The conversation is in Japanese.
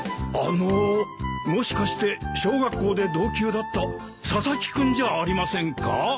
あのもしかして小学校で同級だった佐々木君じゃありませんか？